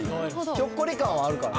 ひょっこり感はあるからね。